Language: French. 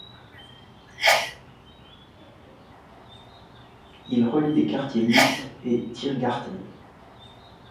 Il relie les quartiers Mitte et Tiergarten.